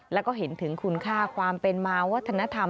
แล้วก็เห็นถึงคุณค่าความเป็นมาวัฒนธรรม